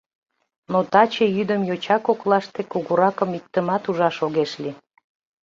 Но таче йӱдым йоча коклаште кугуракым иктымат ужаш огеш лий.